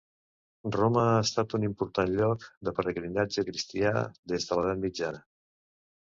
Roma ha estat un important lloc de pelegrinatge cristià des de l'Edat Mitjana.